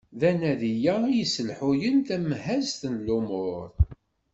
D anadi-a i yesselḥuyen tamhazt n lumuṛ.